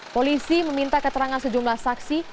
polisi meminta keterangan sejumlah saksi